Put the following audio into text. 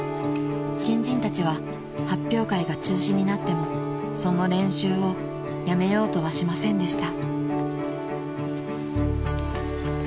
新人たちは発表会が中止になってもその練習をやめようとはしませんでした］